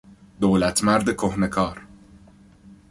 دولتمرد کهنه کار